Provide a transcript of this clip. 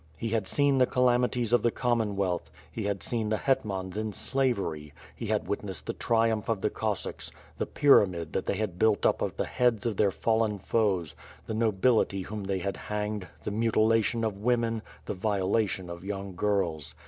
He had seen the calamities of the Commonwealth; he had seen the hetmans in slavery; he had witnessed the triumph of the Cossacks; the pyramid that they built up of the heads of their fallen foes; the nobility whom they had hanged; the mutila tion of women; the violation of young girls.